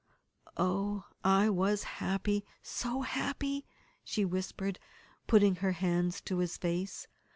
"Oh, I was happy so happy," she whispered, putting her hands to his face.